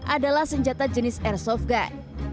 adalah senjata jenis airsoft gun